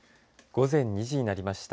午前２時になりました。